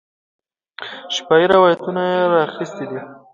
شفاهي روایتونه یې را اخیستي دي.